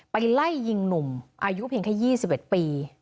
ไล่ยิงหนุ่มอายุเพียงแค่๒๑ปี